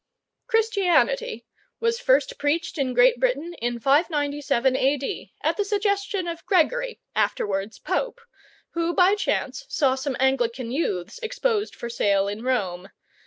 Christianity was first preached in Great Britain in 597 A.D., at the suggestion of Gregory, afterwards Pope, who by chance saw some Anglican youths exposed for sale in Rome.